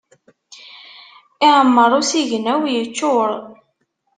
Iɛemmer usigna-w, yeččur.